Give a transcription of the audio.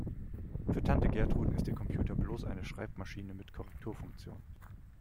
Für Tante Gertrud ist ihr Computer bloß eine Schreibmaschine mit Korrekturfunktion.